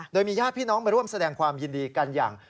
โดยมีญาติพี่น้องมาร่วมแสดงความยินดีกันอย่าง